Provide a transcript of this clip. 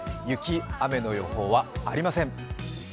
雪、雨の予報はありません。